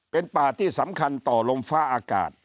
เป็นป่าที่สำคัญต่อลมฟ้าอากาศ